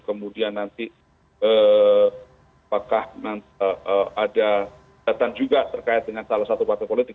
kemudian nanti apakah ada datang juga terkait dengan salah satu partai politik